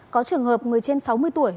có trường hợp người trên sáu mươi tuổi